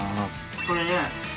これね